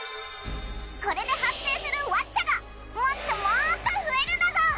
これで発生するワッチャがもっともっと増えるんだぞ！